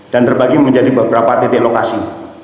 dan terbagi menjadi beberapa titik lokasi